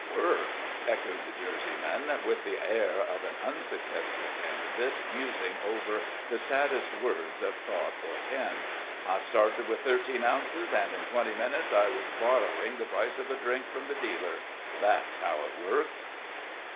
"Work?" echoed the Jerseyman, with the air of an unsuccessful candidate musing over the "saddest words of thought or pen;" "I started with thirteen ounces, an' in twenty minutes I was borryin' the price of a drink from the dealer. That's how it worked."